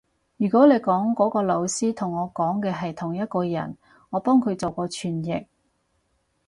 如果你講嗰個老師同我諗嘅係同一個人，我幫佢做過傳譯